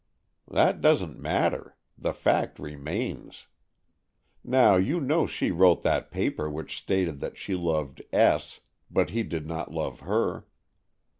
"That doesn't matter—the fact remains. Now, you know she wrote that paper which stated that she loved S., but he did not love her.